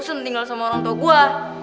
aku seneng tinggal sama orang tua gua